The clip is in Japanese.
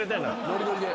ノリノリで。